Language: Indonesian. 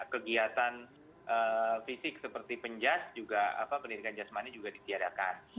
kegiatan fisik seperti penjajah juga penirikan jasmani juga ditiadakan